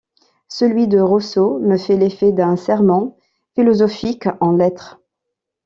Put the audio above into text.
Celui de Rousseau me fait l’effet d’un sermon philosophique en lettres.